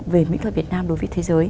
về mỹ thuật việt nam đối với thế giới